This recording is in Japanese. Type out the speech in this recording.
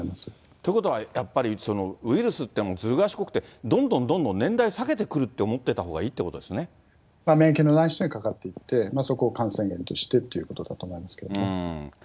ということは、やっぱりウイルスってずる賢くって、どんどんどんどん年代下げてくるって思っていたほうがいいってこ免疫のない人にかかっていって、そこを感染源としてっていうことだと思うんですけどね。